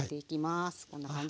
こんな感じで。